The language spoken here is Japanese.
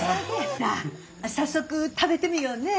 早速食べてみようね。